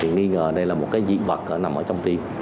nghi ngờ đây là một dị vật nằm trong tim